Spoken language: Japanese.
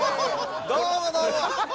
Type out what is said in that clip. どうもどうも。